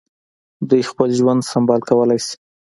دوی خپل ژوند سمبال کولای شي.